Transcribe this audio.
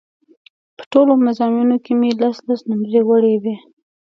په ټولو مضامینو کې مې لس لس نومرې وړې وې.